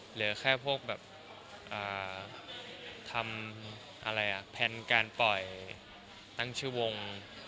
เหลือแค่พวกแบบทำแผนการปล่อยตั้งชื่อวง